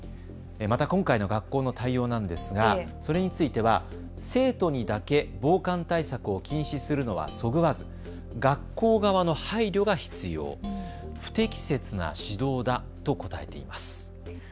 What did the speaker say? また今回の学校の対応なんですがそれについては生徒にだけ防寒対策を禁止するのはそぐわず学校側の配慮が必要、不適切な指導だと答えています。